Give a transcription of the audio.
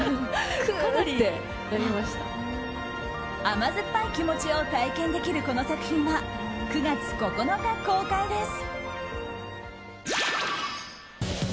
甘酸っぱい気持ちを体験できるこの作品は、９月９日公開です。